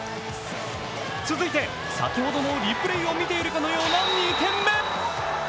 続いて先ほどのリプレーを見ているかのような２点目。